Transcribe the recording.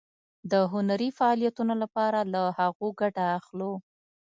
د هنري فعالیتونو لپاره له هغو ګټه اخلو.